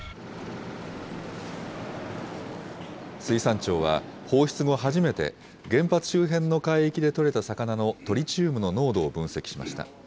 水産庁は、放出後初めて、原発周辺の海域で取れた魚のトリチウムの濃度を分析しました。